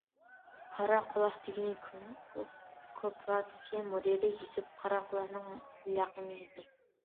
قارا قۇلاق دېگىنى كوپىراتسىيە مۇدىرى يۈسۈپ قارا قۇلاقنىڭ لەقىمى ئىدى.